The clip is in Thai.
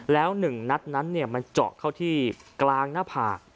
แล้วหนึ่งนัดนั้นเนี้ยมันเจาะเข้าที่กลางหน้าผ่า